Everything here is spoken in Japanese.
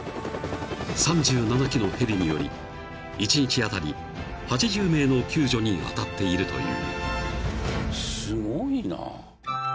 ［３７機のヘリにより１日あたり８０名の救助に当たっているという］